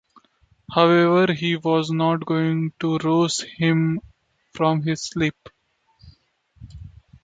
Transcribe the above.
However, he was not going to rouse him from his sleep.